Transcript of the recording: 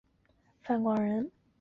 范广人。